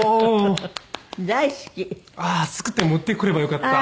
ああー作って持ってくればよかった。